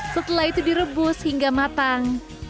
setelah itu direbus hingga matang